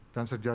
dan sejauh ini